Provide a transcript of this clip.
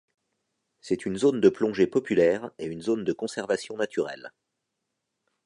C'est une zone de plongée populaire et une zone de conservation naturelle.